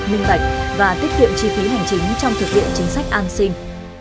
minh bạch và tiết kiệm chi phí hành chính trong thực hiện chính sách an sinh